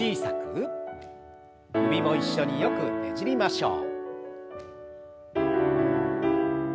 首も一緒によくねじりましょう。